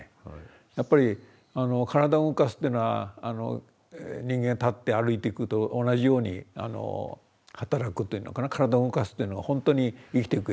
やっぱり体を動かすっていうのは人間立って歩いていくと同じように働くというのかな体を動かすというのはほんとに生きていくうえで。